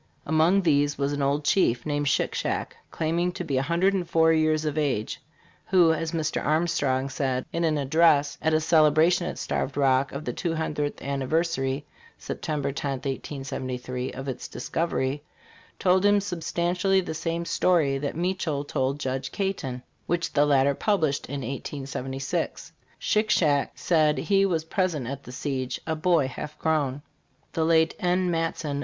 Among these was an old chief named Shick Shack* claiming to be 104 years of age, who, as Mr. Arm strong said, in an address* at a celebration at Starved Rock, of the two hun dredth anniversary (September 10, 1873) of its discovery, told him substan tially the same story that Meachelle told Judge Caton, which the latter pub lished in 1876. Shick Shack said he was present at the siege, a boy half grown. The late N. Matson.